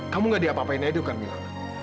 kamu nggak diapa apain edo kan mila